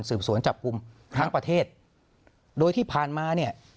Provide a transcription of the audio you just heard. สืบสวนจับกลุ่มทั้งประเทศโดยที่ผ่านมาเนี่ย